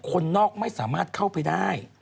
คนนอกไม่สามารถเข้าไปได้